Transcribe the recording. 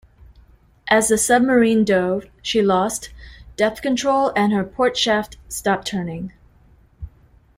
As the submarine dove, she lost depth control and her port shaft stopped turning.